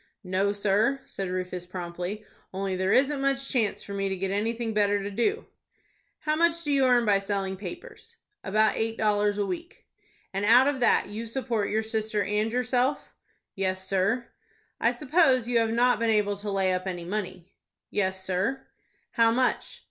"No, sir," said Rufus, promptly. "Only there isn't much chance for me to get anything better to do." "How much do you earn by selling papers?" "About eight dollars a week." "And out of that you support your sister and yourself?" "Yes, sir." "I suppose you have not been able to lay up any money." "Yes, sir." "How much?"